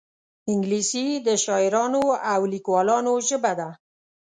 انګلیسي د شاعرانو او لیکوالانو ژبه ده